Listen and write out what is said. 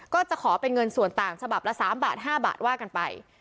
ก็จะขอเป็นเงินส่วนต่างฉบับละ๓บาท๕บาทว่ากันไป